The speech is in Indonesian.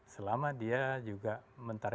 selama dia juga menterima